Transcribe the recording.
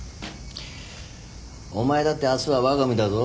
お前だって明日はわが身だぞ。